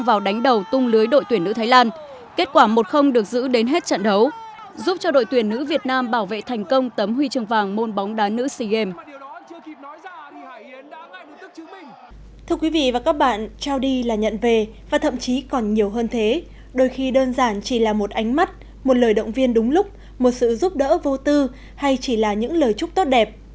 với quý vị và các bạn trao đi là nhận về và thậm chí còn nhiều hơn thế đôi khi đơn giản chỉ là một ánh mắt một lời động viên đúng lúc một sự giúp đỡ vô tư hay chỉ là những lời chúc tốt đẹp